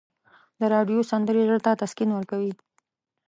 د راډیو سندرې زړه ته تسکین ورکوي.